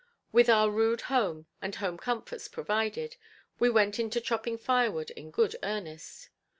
With our rude home and home comforts provided, we went into chopping firewood in good earnest.